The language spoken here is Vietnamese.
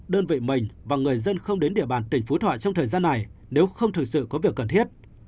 đơn vị mình và người dân không đến địa bàn tỉnh phú thọ trong thời gian này nếu không thực sự có việc cần thiết